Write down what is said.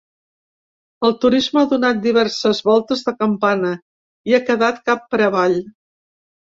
El turisme ha donat diverses voltes de campana i ha quedat cap per avall.